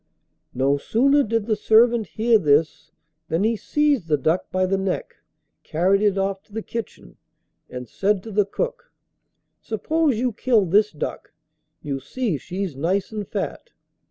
No sooner did the servant hear this than he seized the duck by the neck, carried it off to the kitchen, and said to the cook, 'Suppose you kill this duck; you see she's nice and fat.